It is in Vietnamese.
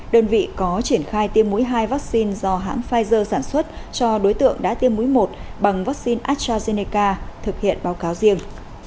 đơn vị có triển khai tiêm mũi hai vaccine do hãng pfizer sản xuất cho đối tượng đã tiêm mũi một bằng vaccine astrazeneca thực hiện báo cáo riêng